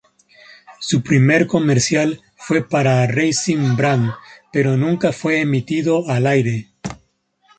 Su primer comercial fue para Raisin Bran pero nunca fue emitido al aire.